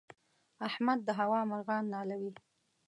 احمد د هوا مرغان نالوي.